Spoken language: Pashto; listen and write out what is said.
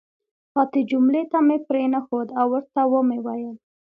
پاتې جملې ته مې پرېنښود او ورته ومې ویل: